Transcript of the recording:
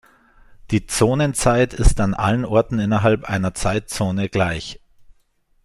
Die Zonenzeit ist an allen Orten innerhalb einer Zeitzone gleich.